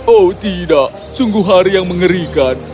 oh tidak sungguh hari yang mengerikan